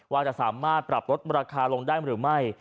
ว่าจะสามารถปรับลดราคาลงได้หรือไม่